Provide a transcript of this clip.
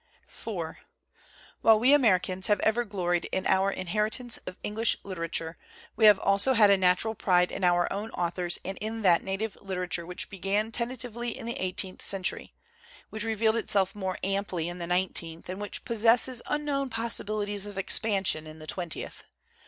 IV WHILE we Americans have ever gloried in our inheritance of English literature we have also had a natural pride in our own authors and in that native literature which began ten tatively in the eighteenth century, which re vealed itself more amply in the nineteenth, and which possesses unknown possibilities of expansion in the twentieth.